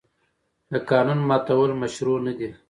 د قانون ماتول مشروع نه دي.